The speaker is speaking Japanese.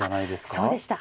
あっそうでした。